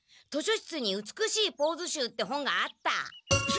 図書室に「美しいポーズ集」って本があった！